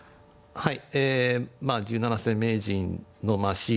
はい。